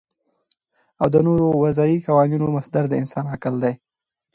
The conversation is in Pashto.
او د نورو وضعی قوانینو مصدر د انسان عقل دی